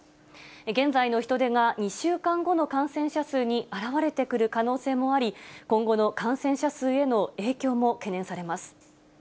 現在の人出が２週間後の感染者数に表れてくる可能性もあり、今後の感染者数への影響も懸念されます。